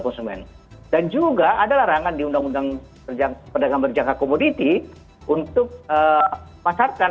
konsumen dan juga ada larangan di undang undang perdagangan berjangka komoditi untuk pasarkan